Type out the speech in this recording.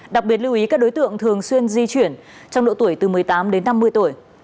đặc biệt lưu ý các đối tượng thường xuyên di chuyển trong độ tuổi từ một mươi tám đến năm mươi tuổi